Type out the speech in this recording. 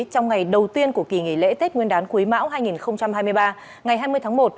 trong ngày đầu tiên của kỳ nghỉ lễ tết nguyên đán quý mão hai nghìn hai mươi ba ngày hai mươi tháng một